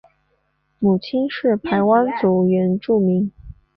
母亲是排湾族原住民。